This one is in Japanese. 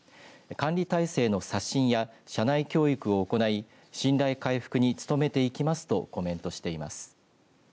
管理体制の刷新や社内教育を行い信頼回復に努めていきますとコメントしています。